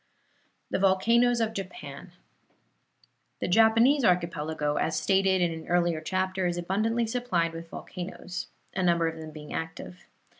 THE VOLCANOES OF JAPAN The Japanese archipelago, as stated in an earlier chapter, is abundantly supplied with volcanoes, a number of them being active.